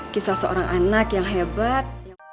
kisah seorang anak yang hebat